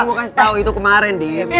kan gue kasih tau itu kemaren dip